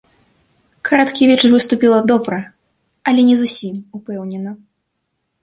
Караткевіч выступіла добра, але не зусім упэўнена.